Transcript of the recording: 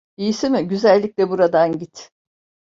İyisi mi, güzellikle buradan git.